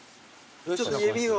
ちょっと指を。